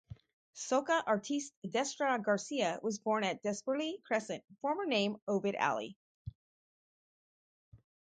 Soca artiste Destra Garcia was born at Desperlie Crescent, former name Ovid Alley.